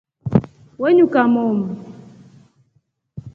We nuka momu.